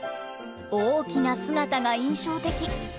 大きな姿が印象的。